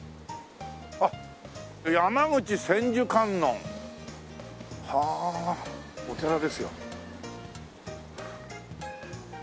あっ山口千手観音！はあお寺ですよ。